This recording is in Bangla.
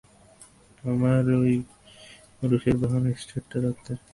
আমার এই পুরুষের বাহু নিশ্চেষ্ট থাকতে চায় না।